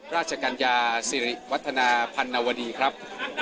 กัญญาสิริวัฒนาพันนวดีครับ